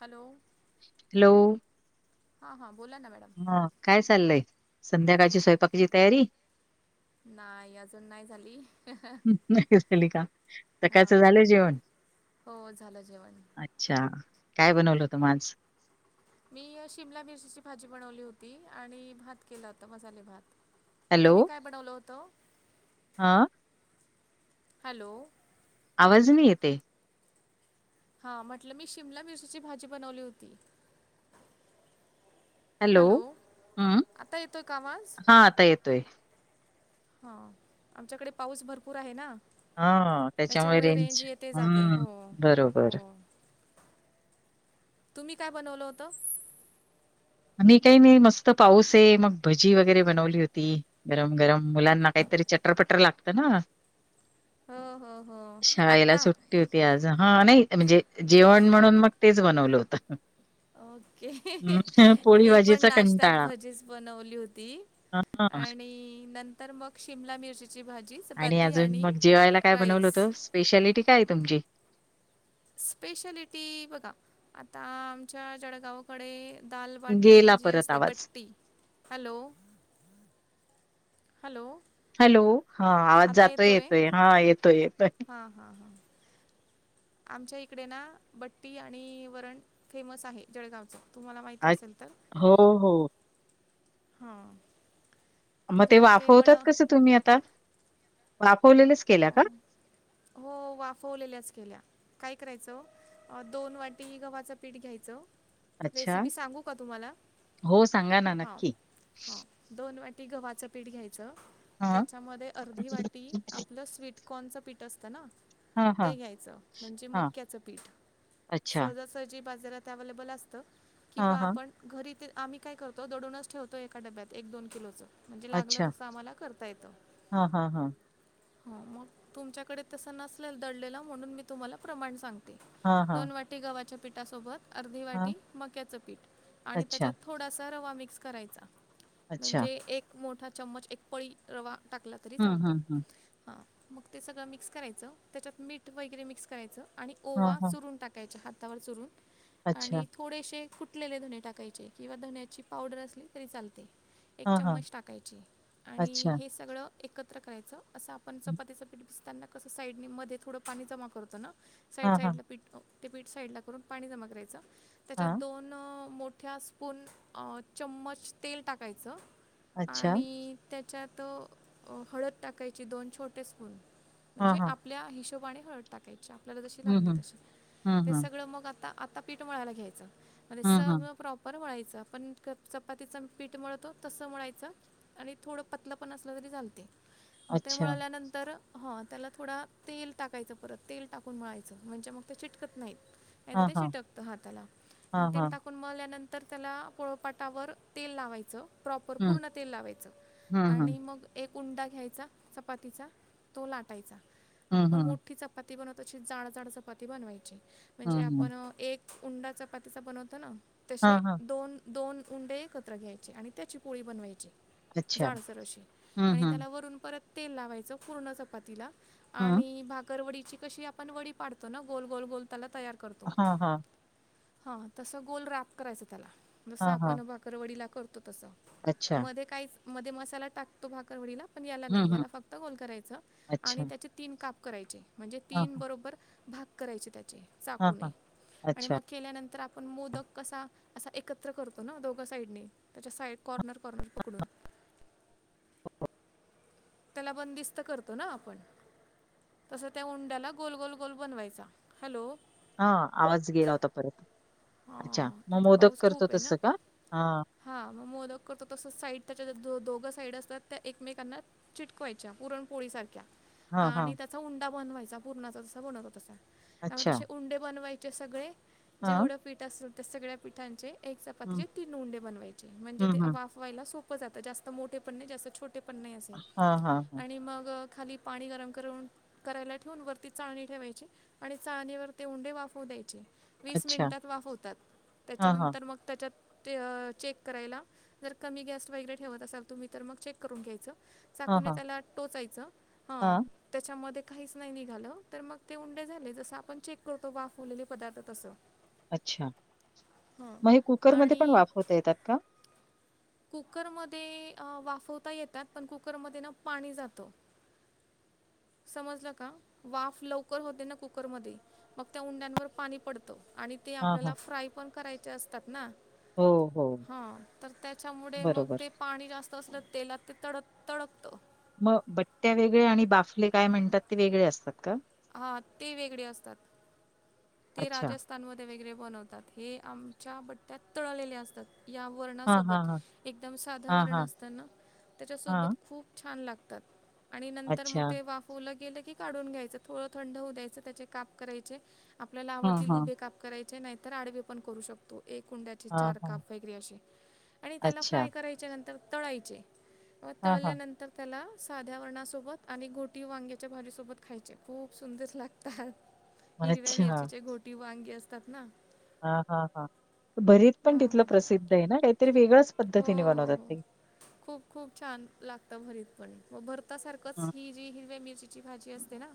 Hello! ! Hello! हा हा हा काय चाललय संध्याकाळची स्वयंपाकीची तयारी नाही अजून नाही झाली नुकतीच केली का सकाळच हां झालय जेवण हो झालं जेवण अच्छा काय बनवलं होतं म आज मी शिमला मिरचीची भाजी बनवली होती आणि भात केलं होता मसाले भात. तुम्ही काय बनवल होत. ह. हॅलो. आवाज नाही येते. हा म्हटलं मी शिमला मिरचीची भाजी बनवली होती. हॅलो हम्म आता येतोय का हा आता येतोय. हा आमच्याकडे पाऊस भरपूर आहे ना. हा त्याच्यामुळे रेंज येते जाते हम्म हो बरोबर. हो तुम्ही काय बनवलं होतं. आम्ही काही नाही मस्त पाऊस आहे मग भजी वगैरे बनवली होती गरम गरम मुलांना काहीतरी तरी चटरपटर लागत ना. हो हो. हो शाळेला आत्ता सुट्टी होती आज हा नाही म्हणजे जेवण म्हणून मग ते. बनवलं होत ओके [unintelligible] मी पण भाजीचा नाश्त्यात कंटाळा भजीच बनवली होती हां, आणि नंतर मग शिमला मिरचीची भाजी चपाती आणि त राईस [unintelligible] स्पेशलिटी काय तुमची स्पेशलिटी बघा आता आमच्या जळगावकडे दालबाटी गेला जी परत असते आवाज. बट्टी हॅलो! हॅलो. हा आवाज जातोय येतोय हा येतोय येतोय. हां, हां, हां. आमच्या इकडे ना बट्टी आणि वरण फेमस आहे जळगावच. अच हो हो. हा. मग ते वाफवतात कसं तुम्ही आता वाफ. अ हो वाफवलेल्या. केल्या काय करायचं दोन वाटी गव्हाचं पीठ घ्यायचं. अच्छा. रेसिपी सांगू का तुम्हाला हो, सांगा ना हा नक्की. ह दोन वाटी. गव्हाच पीठ घ्यायच हां, त्याच्यामध्ये अर्धी वाटी आप. ल स्वीटकॉर्नचं पीठ असतं ना. हां, हां, ते घ्यायचं म्हणजे हां. मक्याचं पीठ अच्छा. सहजासहजी. बाजारात अवेलेबल असतो हां, किंवा हां. आपण घरी. ते आम्ही काय करतो दळून ठवो एकाडब्यात एक दोन किलोचं. म्हणजे लागलं अच्छा. तसं आम्हाला करता येतं. हां, हां, हां. हो मग तुमच्याकडे तस नसलेल दळलेला म्हणून मी तुम्हाला प्रमाण सांगते. हां, ते हां. दोन वाटी गव्हाच्या पीठासोबत. अर्धी हां. वाटी मक्याचं पीठ आणि अच्छा, त्याच्यात थोडासा रवा मिक्स करायचा. अच्छा. म्हणजे एक मोठा चम्मच एक पळी रवा टाकला तरी हं, चालतो. हं, हं. हा मग ते सगळं मिक्स करायचं, त्याच्यात मीठ वगैरे मिक्स करायचं. आणि हां, ओवा हां. चुरून टाकायच्या हातावर चुरून अच्छा. आणि थोडेसे फुटलेले धने टाकायचे किंवा धण्याची पावडर असली तरी चालते. एक हां, हां. चम्मच टाकायची आणि अच्छा. हे सगळं एकत्र करायचं. असं आपण हं. चपातीच पीठ भिजताना कसं साईड मध्ये थोडं पाणी जमा करतो ना साईड हां, हां. साईडला पीठ ते पीठ साईडला करून पाणी जमा करायचं, त्याच्यात हां. दोन मो ठ्या स्पून चममच तेल टाकायचं, अच्छा. आणी त्या च्यात हळद टाकायची दोन छोटे स्पून हां, म्हणजे हां. आपल्या हिशोबाने हळद टाकायची आपल्याला जशी हं, लागली हं. तशी हं, ते हं. सगळं मग आता आता पीठ मळायला घ्यायचं. आणि हां, हां. सगळे प्रॉपर मळायच. पण चपातीच पीठ मळतो तसं, मळायचं आणी थोडं पतलं पण असलं तरी चालते. मग ते अच्छा. मळल्यानंतर हं त्याला थोडा तेल टाकायचं परत, तेल टाकून मळायचं म्हणजे मग ते चिटकत नाही. नाहीतर हां, ते हां. चिकटतं हाताला, मग हां, तेल हां. टाकून मळल्या तर त्याला, पोळोपाटावर तेल लावायचं. प्रॉपर हं. पूर्ण तेल लावायचं, हं, हं. आणि मग एक उंडा घ्यायचा चपातीचा तो लाटायचा, हं, आपण हं. मोठी चपाती बनवतो तशी जाड जाड चपाती बनवायची, म्हणजे हं, हं. आपण एक उंडा चपातीचा बनवतो न, तसे हां, हां. दोन दोन उंडे एकत्र घ्यायचे आणि त्याची पोळी बनवायची. अच्छा. जाडसर अशी हं, आणि हं. त्याला वरून परत तेल लावायचं पूर्ण चपातीला. हं. आणि भाकररवडीची कशी आपण वडी पाडतो ना गोल गोल गोल त्याला तयार करतो. हां, हां. हा तसं गोल राखायचं. जस हां, हां. आपण भाकरवडीला करतो तस अच्छा. मध्ये काय मध्ये मसाला टाकतो भाकरवडीला पण याला हं, नाही हं. याला फक्त गोल करायचं अच्छा. आणि त्याचे तीन काप करायचे म्हणजे हां, तीन हां. बरोबर भाग करायचे त्यात. हां, चाकूने हां. आणि अच्छा. मग केल्यानंतर [unintelligible] पण मोदक कसा असा एकत्र करतो ना, दोघ साईडनी त्याच्या साईड कॉर्नर कॉर्नर पकडून. [inaudible] त्याला बंदिस्त करतो ना आपण. तस त्या उंड्याला गोल गोल गोल बनवायचा. हॅलो, हा आवाज गेला होता परत. अच्छा हां मग मोदक करतो तस का? हां हा मग मोदक करतो तसं, साईड त्याच्या दोघच स्प्रेड असत्यात, त्या एकमेकांना चिटकवायच्या पुरणोळी सारख्या हां, आणि हां. त्याचा उंडा बनवायचा पूरणाचा तसा बनवतो तसा, त्यामुळे तसे उंडे बनवायचे सगळे हा, जेवढं सगळ्या पिठाचे एक हं. चपातीचे, तीन उंडे बनवायचे म्हणजे हं, ते हं. वाफवायला सोपे, जास्त मोठे पण नाही, जास्त छोटे पण नाही असे हां, हां, हां. आणि मग खाली पाणी गरम करून करायला ठेवून, वरती चाळणी ठेवायची आणि चाळणीवर ते उंडे वाफवू द्यायचे. वीस अच्छा. मिनिटात वाफवतात, हां, हां. त्याच्यानंतर मग त्याच्या ते चेक करायला जर कमी गॅस वगैरे ठेवत असाल तुम्ही तर मग चेक करून घ्यायचं. हां, चाकून हां. त्याला टोचायचं हं हां. त्याच्यामध्ये काहीच नाही निघाल तर मग ते उंडे झाले. जसं आपण चेक करतो वाफवलेले पदार्थ तसं. अच्छा, हां मग हे कुकरमध्ये पण आणि वाफवता येतात का? कुकरमध्ये वाफवता येतात पण कुकरमध्ये ना पाणी जातं. [inaudible] [inaudible] समजलं का वाफ लवकर होते ना कुकर मध्ये मग त्या उंड्यांवर पाणी पडतं. आणि ते हां, हां. आपल्याला फ्राय पण करायचे असतात ना, हो, हो. हा तर त्याच्यामुळे मग बरोबर. ते पाणी जास्त असलं तेलात ते तडक तडक मग बट्ट्या वेगळे आणि बाफले काय म्हणतात ते वेगळे असतात का हा ते वेगळे असतात ते अच्छा. राजस्थानमध्ये वेगळे बनवतात हे आमच्या बट्ट्यात तळलेले असतात या हां, हां, वर्णासोबत हां. एकदम साधं हां, वर्ण हां. असताना हां. त्याच्यासोबत खूप छान लागत आणि नंतर मग अच्छा. ते वाफवलं गेलं की काढून घ्यायचं थोडं थंड होऊ द्यायचं त्याचे काप करायचे आपल्याला ला हां, आवडतील हां. उभे काप करायचे जचे नाहीतर आडवे पण करू शकतो एक कुंड्याचे हां, चार हां. काप वगैरे असे आणि त्याला अच्छा. फ्राय करायचे नंतर तळायचे व हां, हां. तळल्यानंतर त्याला साध्या वर्णासोबत आणि घोटी वांग्याच्या भाजीसोबत खायचे खूप सुंदर लागतात हिरव्या मिरचीच्या घोटी वांगी असतात ना हा हा हा भरीत पण हं. तिथलं प्रसिद्ध आहे ना काही हो हो हो खूप खूप छान लागत भरीत पण भर आता सारखंच हं. ही जी हिरव्या मिरचीची भाजी असते ना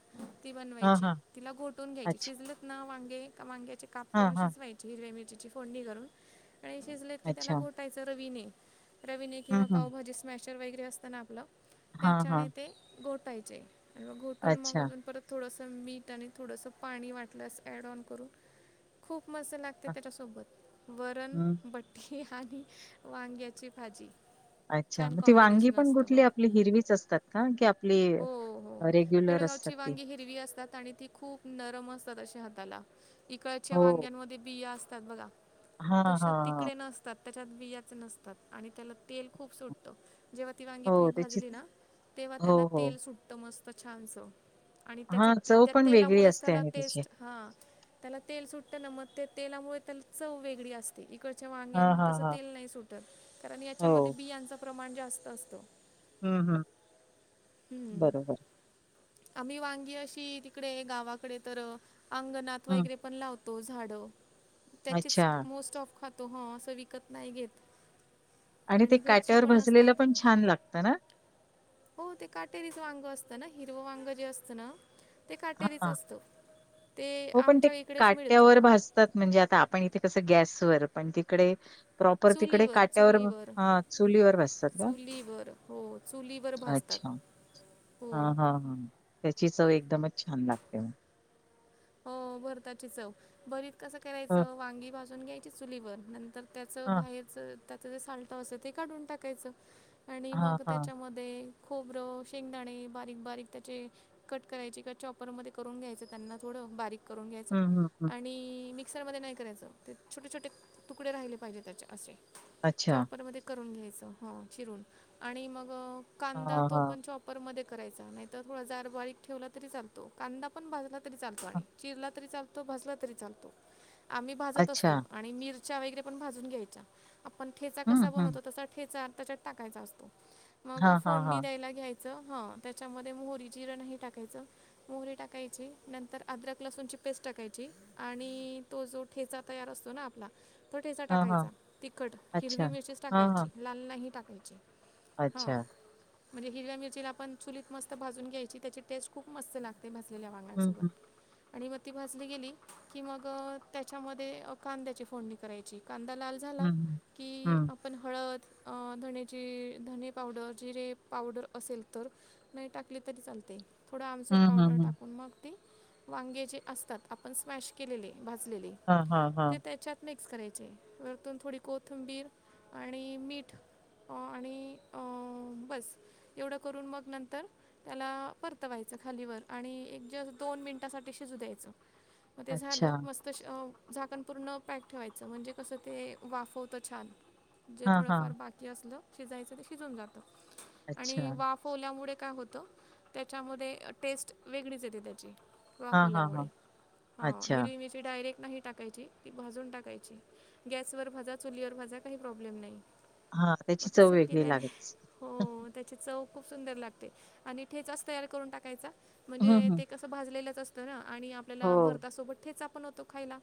ती हां, बनवायची हां. तिला घोटून घ्यायची अच्छा. शिजलच ना वांगे का वांगे प हां, करून हां. शिजवाय हिरव मिरचीची फोडणी करून आणि शिजलेत कि त्याला अच्छा. घोटाय रवीने रवीने हं, किंवा हं. पावभाजी स्मॅशर वगैरे असताना आपलं हां, त्याच्याने हां. ते घोटायचे आणि मग घोटून मग अच्छा. अजून परत थोड मीठ आणि थोडंसं पाणी वाटल्यास ॲड ऑन करून खूप मस्त लागते हां. त्याच्यासोबत वरण हं. भट्टी आणि वांग्याची भाजी अच्छा छान मग ती वांगी कॉम्बिनेशन पण असतं कुठली हो आपली हिरवीच असतात का की.. हो हो रेग्युलर असतात जळगावची ती? वांगी हिरवी असतात आणि ती खूप नरम असतात अे ह... इकडच्या हो. वांग्यांमध्ये बिया असतात बघ हां, हां, तसे हां. तिकडे नसतात... त्याच्यात बियाच नसतात आणि त्याला तेल खूप सुटतं.. जेव्हा ती वांगी तुम्ही हो त्याची भाजली ना तेव्हा त्याला हो, हो. तेल सुटत मस्त छानच.. आणि हां, त्याच्या चव त्या पण वेगळी तेलामुळेच असते त्याला आणि त्याची. टेस्ट हा त्याला तेल सुटत ना मग ते.. तेलामुळे त्याला चव वेगळी असते इकड... च्या वांग्यां हां, तस हां, हां. तेल नाही सुटत कारण याच्यामध्ये बियाच प्रमाण जास्त असतो हम्म हम्म बरोबर आम्ही वांगी अशी तिकडे गावाकडे तर अंगणात हं, वगैरे पण लावतो झाड त्याचेच अच्छा मोस्ट ऑफ खातो ह असं विकत नाही घेत आणि ते घरची कॅटवर पण असतात भजलेलं पण छान लागत ना हो ते काटेरीच वांग असतं ना हिरवं वांग जे असतं ना ते काटेरीच हां. असतं ते हो पण ते आमच्या इकडेच मिळतं काट्यावर भाजतात म्हणजे आता आपण इथे कसं गॅस पण तिकडे प्रॉपर तिकडे चुलीवर काट्यावर चुलीवर ह चुलीवर बसतात का चुलीवर हो चुलीवर अच्छा भाजतात हा हो हा हा त्याची चव एकदमच छान लागते म हो भरताची चव भरीत कसं हं, करायचं वांगी भाजून घ्यायची चुलीवर नंतर त्याच हां. बाहेरच त्याच जे सालटं असतं ते काढून टाकायचं आणि हां, मग हां. त्याच्यामध्ये खोबरं शेंगदाणे बारीक बारीक त्याचे कट करायचे क चॉपरमध्ये करून घ्यायचे त्यांना.. थोडं बारीक करून घ्यायचं हं, हं, हं. आणि मी... मिक्सरमध्ये नाही करायचं ते छोटे छोटे तुकडे राहिले पाहिजे त्याचे असे... अच्छा. चॉपरमध्ये करून घ्यायचं हो चिरून आणि मग... कांदा हां, तो हां. पण चॉपर म करायचा नाहीतर थोडा जार बारीक ठेवला तरी चालतो कांदा पण भाजला. चालत हां. चिरला तरी चालतो भाजला तरी चालतो आम्ही भाजत अच्छा. असतो आणि मिर... च्या वगैरे पण भाजून घ्यायच्या आपण ठेचा हं, कसा हं. बनवतो तसा ठेचा त्याच्यात टाकायचा असतो.. मग हां, हां, फोडनी हां. द्यायला घ्यायच... ह त्याच्यामध्ये मोहरी जिरं नाही टाकायचं मोहरी टाकायची... नंतर अदरक लसूणची पेस्ट टाकायची आणि तो जो ठेचा तयार असतो ना आपला... ठेचा हां, हां. टाकायचा तिखट अच्छा. हिरवी मिरचीच हां, हां. टाकायची लाल नाही टाकायची.. हां अच्छा... म्हणजे हिरव मिरचीला आपण चुलीत मस्त भाजून घ्यायची त्याची टेस्ट खूप मस्त लागते भाजलेली... ह ह... आणि मग ती भाजली गेली की मग त्याच्यामध्ये कांद्याची फोडणी करायची.. कांदा लाल झाला. हं, हं. की हं. आपण हळद... धणेची धणे पावडर जिरे पावडर असेल तर नाही टाकले तरी चालते... थोडं आमचूर हं, पावडर हं, हं. टाकून मग ते वांगे जे असतात आपण स्मॅश केलेले... भाजलेली हां, हां, ते हां. त्याच्यात म.. करायचे वरतून थोडी कोथंबीर आणि मीठ... आणि बस एवढं करून मग नंतर त्याला परतवायचं. खालीवर आणि एक ज दोन मिनिटासाठी शिजू द्यायचं मग ते अच्छा. झालं मस्त.. झाकण पूर्ण पॅक ठेवायचं म्हणजे कसं ते वाफवत छान... जे हां, थोडंफार हां. बाकी असलं शिजायचं ते शिजून जात अच्छा. आणि वाफवल्यामुळे.... काय होतं त्याच्यामध्ये टेस्ट वेगळीच येते त्याची... हां, हां, हां. वाखोल्यामुळे हा अच्छा. हिरणीचे डायरेक्ट.... नाही टाकायची की भाजून टाकायची गॅसवर भाजा चुलीवर भाजा काही प्रॉब्लेम नाही... हां, मग त्याची चव तस वेगळी केल्याने लागत. हो त्याची चव... खूप सुंदर लागते आणि ठेचाच तयार करून टाकायचा हं, म्हणजे हं. ते कसं भाजलेलंच असतं ना... आणि आपल्याला हो, भरतासोबत ठेचा पण होतो खायला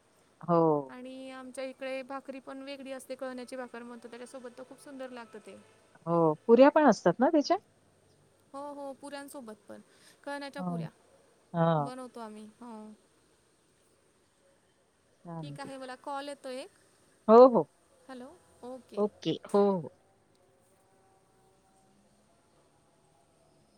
हो, आणि आमच्या... तडे भाकरी पण वेगळी असते कळण्याची भाकर म्हणतो त्याच्यासोबत तर खूप सुंदर लागतं ते हो पुऱ्या पण असतात ना त्याच्या हो हो पुऱ्यांसोबत पण कण्याच्या हो. पुऱ्या हां. बनवतो आम्ही हो छान ठीक ते. आहे मला कॉल येतो एक हो हो ओके हो हो